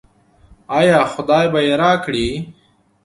آیا خدای به یې راکړي؟